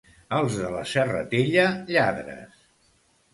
Els de la Serratella, lladres.